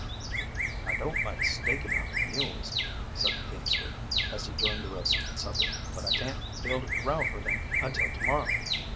"I don't like staking out the mules," said the teamster, as he joined the rest at supper, "but I can't build a corral for them until to morrow.